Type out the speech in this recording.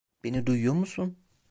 Beni duyuyor musun?